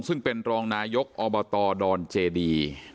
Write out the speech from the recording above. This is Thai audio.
ซึ่งเป็นรองนายกอบตดอนเจดี